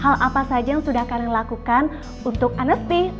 hal apa saja yang sudah kalian lakukan untuk nft